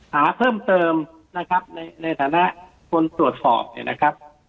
หาเพิ่มเติมนะครับในฐานะคนตรวจสอบเนี่ยนะครับ